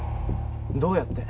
どうやって？